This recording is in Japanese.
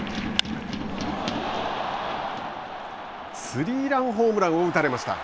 スリーランホームランを打たれました。